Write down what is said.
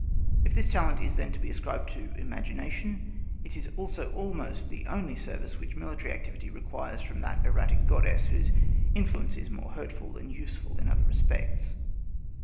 If this talent then is to be ascribed to imagination, it is also almost the only service which military activity requires from that erratic goddess, whose influence is more hurtful than useful in other respects.